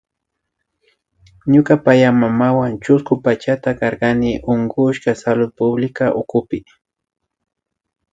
Ñuka payaymamawan chusku pachata karkani utkashka Salud Pública ukupi